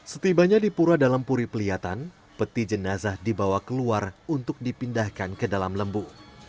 setibanya di pura dalam puri pelihatan peti jenazah dibawa keluar untuk dipindahkan ke dalam lembu